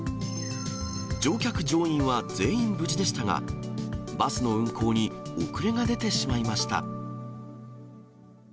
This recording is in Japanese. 乗客・乗員は全員無事でしたが、バスの運行に遅れが出てしまいました。